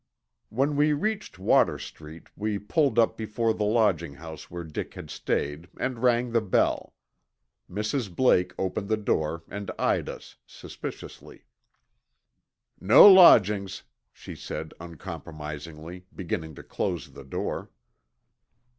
When we reached Water Street we pulled up before the lodging house where Dick had stayed and rang the bell. Mrs. Blake opened the door and eyed us suspiciously. "No lodgings," she said uncompromisingly, beginning to close the door.